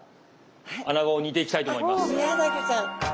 アナゴを煮ていきたいと思います。